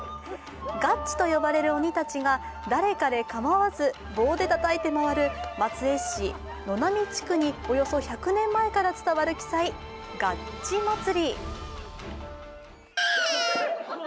ガッチと呼ばれる鬼たちが誰かれ構わず棒でたたいて回る、松江市野波地区におよそ１００年前から伝わる奇祭ガッチ祭り。